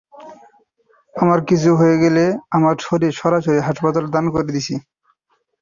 আমার কিছু হয়ে গেলে, আমার শরীর সরকারি হাসপাতালে দান করে দিস।